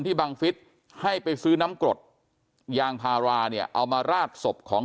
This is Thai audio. บังฟิศให้ไปซื้อน้ำกรดยางพาราเนี่ยเอามาราดศพของ